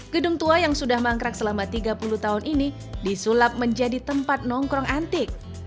gedung tua yang sudah mangkrak selama tiga puluh tahun ini disulap menjadi tempat nongkrong antik